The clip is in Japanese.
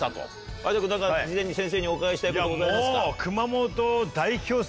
有田君何か事前に先生にお伺いしたいことございますか？